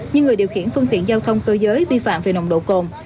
nhưng người điều khiển phương tiện giao thông cơ giới vi phạm về nồng độ cồn